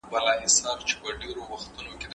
شیدې او مستې د کلسیم غوره سرچینې دي.